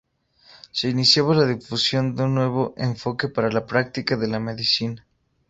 Se iniciaba la difusión de un nuevo enfoque para la práctica de la medicina.